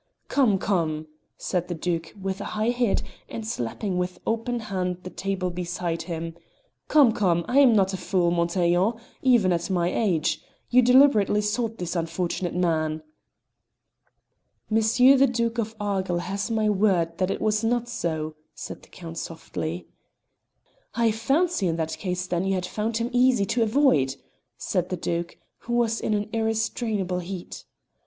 "Come, come!" said the Duke with a high head and slapping with open hand the table beside him "Come, come! I am not a fool, Montaiglon even at my age. You deliberately sought this unfortunate man." "Monsieur the Duke of Argyll has my word that it was not so," said the Count softly. "I fancy in that case, then, you had found him easy to avoid," said the Duke, who was in an ir restrainable heat.